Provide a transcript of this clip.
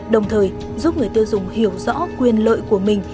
đồng thời giúp người tiêu dùng hiểu rõ quyền lợi của mình